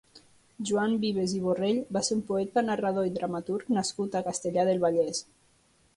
Joan Vives i Borrell va ser un poeta, narrador i dramaturg nascut a Castellar del Vallès.